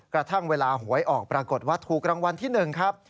กระทั่งเวลาหวยออกปรากฏว่าถูกรางวัลที่๑ครับ